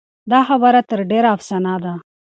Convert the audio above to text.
دا خبره تر ډېره افسانه ده.